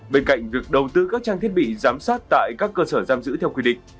bên cạnh việc đầu tư các trang thiết bị giám sát tại các cơ sở giam giữ theo quy định